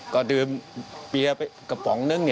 ก็ดื่มเบียร์ไปกระป๋องนึง